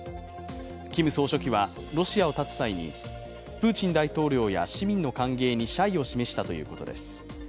キム総書記はロシアを発つ際にプーチン大統領や市民の歓迎に謝意を示したということです。